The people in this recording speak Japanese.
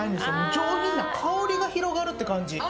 上品な香りが広がるって感じ。